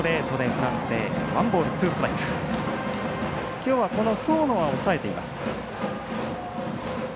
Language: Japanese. きょうは僧野は抑えています。